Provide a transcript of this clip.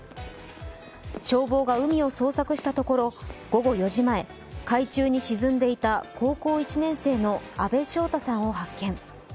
消防が海を捜索したところ午後４時前、海中に沈んでいた高校１年生の阿部祥太さんを発見。